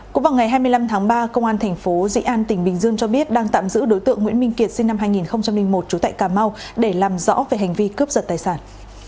cũng vào ngày hai mươi năm tháng ba công an thành phố dị an tỉnh bình dương cho biết đang tạm giữ đối tượng nguyễn minh kiệt sinh năm hai nghìn một trú tại cà mau để làm rõ về hành vi cướp giật tài sản